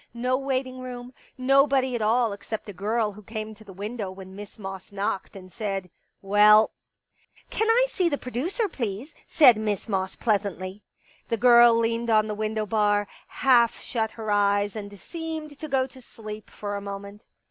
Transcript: No waiting room — 167 Pictures nobody at all except a girl, who came to the window when Miss Moss knocked, and said :" Well ?"" Can I see the producer, please ?" said Miss Moss pleasantly. The girl leaned on the window bar, half shut her eyes and seemed to go to sleep for a moment.